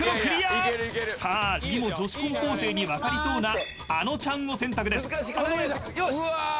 ［さあ次も女子高校生に分かりそうなあのちゃんを選択です］